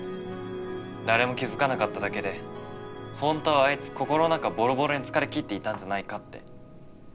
誰も気付かなかっただけで本当はあいつ心の中ボロボロに疲れ切っていたんじゃないかって。